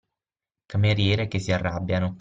Cameriere che si arrabbiano